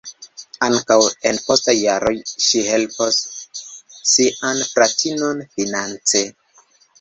Ankaŭ en postaj jaroj ŝi helpos sian fratinon finance.